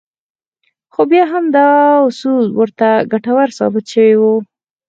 خو بيا هم دا اصول ورته ګټور ثابت شوي وو.